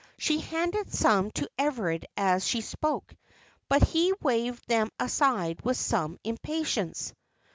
She handed some to Everard as she spoke, but he waved them aside with some impatience.